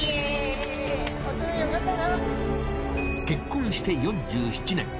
結婚して４７年。